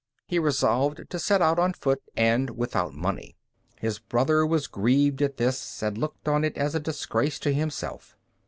He resolved to set out on foot and without money. His brother was grieved at this, and looked on it as a disgrace to himself.